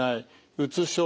うつ症状。